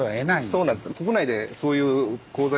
そうなんですよ。